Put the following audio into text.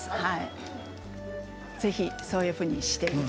ぜひ、そういうふうに。